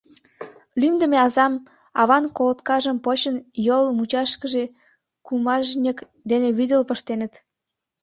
Лӱмдымӧ азам, аван колоткажым почын, йол мучашкыже кумажньык дене вӱдыл пыштеныт.